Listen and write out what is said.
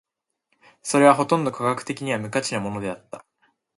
それはほとんど科学的には無価値なものであった。